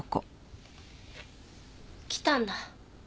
来たんだ。